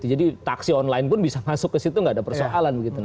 jadi taksi online pun bisa masuk ke situ tidak ada persoalan